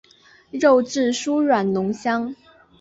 肉质酥软浓香。